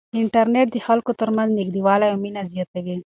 انټرنیټ د خلکو ترمنځ نږدېوالی او مینه زیاتوي.